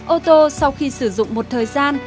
ô tô sau khi sử dụng một thời gian